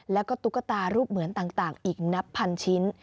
แล้วก็ตุ๊กตารูปเหมือนต่างอีกนับพันชิ้น